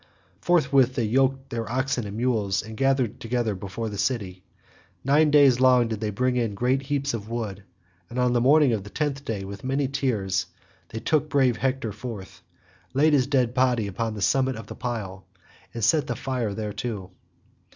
Forthwith they yoked their oxen and mules and gathered together before the city. Nine days long did they bring in great heaps of wood, and on the morning of the tenth day with many tears they took brave Hector forth, laid his dead body upon the summit of the pile, and set the fire thereto.